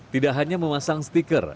tidak hanya memasang stiker